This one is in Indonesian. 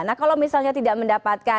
nah kalau misalnya tidak mendapatkan